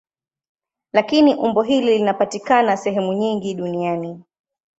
Lakini umbo hili linapatikana sehemu nyingi duniani.